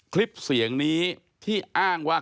คลิปเสียงนี้ที่อ้างว่า